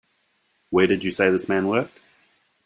Where did you say this man worked?